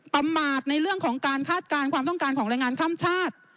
ปรับมาดในเรื่องของความต้องการแรงงานข้ามชาติ